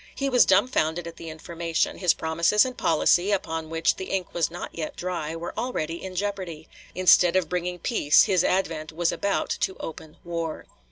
He was dumfounded at the information; his promises and policy, upon which, the ink was not yet dry, were already in jeopardy. Instead of bringing peace his advent was about to open war.